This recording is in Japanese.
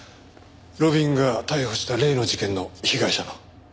路敏が逮捕した例の事件の被害者の。